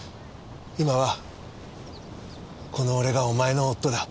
今はこの俺がお前の夫だ。